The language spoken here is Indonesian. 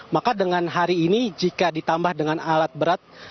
maka dengan hari ini jika ditambah dengan alat berat